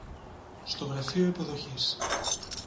στο γραφείο υποδοχής